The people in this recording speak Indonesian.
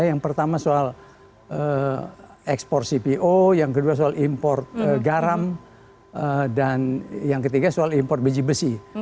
yang pertama soal ekspor cpo yang kedua soal impor garam dan yang ketiga soal impor biji besi